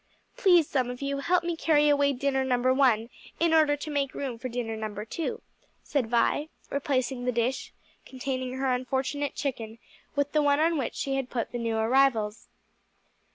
"Please, some of you, help me carry away dinner number one, to make room for dinner number two," said Vi, replacing the dish containing her unfortunate chicken with the one on which she had put the new arrivals.